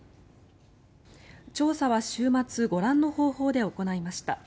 調査は週末ご覧の方法で行いました。